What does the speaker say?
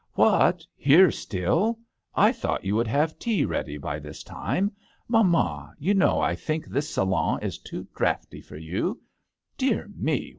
" What, here still ! I thought you would have tea ready by this time. Mamma, you know I think this salon is too draughty for you. Dear me!